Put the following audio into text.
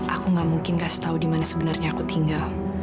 aku gak mungkin kasih tau dimana sebenarnya aku tinggal